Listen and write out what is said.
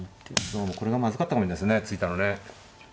どうもこれがまずかったかもしれないですね突いたのね。